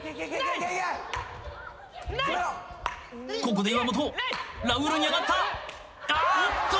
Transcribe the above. ここで岩本ラウールに上がったあーっと！